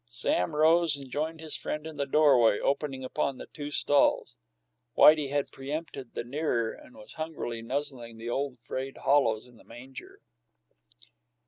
Sam rose and joined his friend in the doorway opening upon the two stalls. Whitey had preëmpted the nearer, and was hungrily nuzzling the old frayed hollows in the manger.